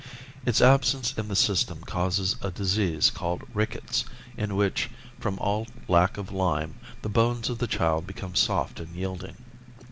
Its absence in the system causes a disease called rickets, in which, from all lack of lime, the bones of the child become soft and yielding.